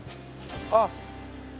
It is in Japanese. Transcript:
あっ！